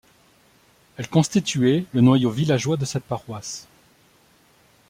Elle constituait le noyau villageois de cette paroisse.